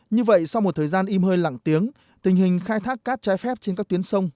như vậy sau một thời gian im hơi lặng tiếng tình hình khai thác cát trái phép trên các tuyến sông